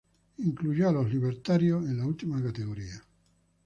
Incluyó a los libertarios en la última categoría.